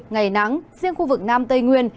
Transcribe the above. ngày nắng riêng khu vực nam tây nguyên